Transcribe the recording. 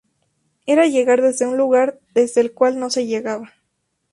Era llegar desde un lugar desde el cual no se llegaba.